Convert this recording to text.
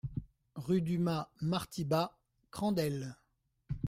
Rue du Mas Marty Bas, Crandelles